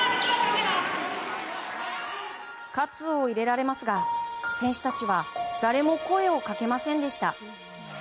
活を入れられますが選手たちは誰も声をかけませんでした。